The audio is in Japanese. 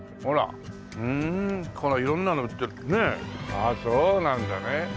ああそうなんだね。